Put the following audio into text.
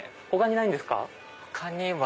他にないんですか？